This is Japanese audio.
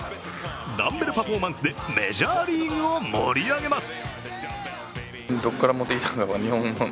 ダンベルパフォーマンスでメジャーリーグを盛り上げます。